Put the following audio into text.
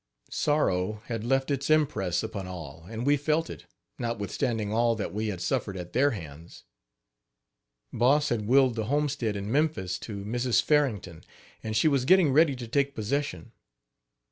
Sorrow had left its impress upon all and we felt it, notwithstanding all that we had suffered at their hands. Boss had willed the homestead in Memphis to Mrs Farrington, and she was getting, ready to take possession.